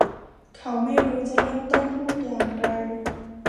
เขาไม่รู้จะเริ่มต้นพูดอย่างไร